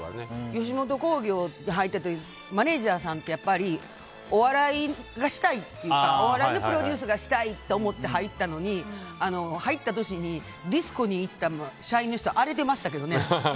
吉本興業入ったってマネジャーさんってお笑いのプロデュースがしたいと思って入ったのに、入った年にディストに行った社員の人荒れていましたけどね。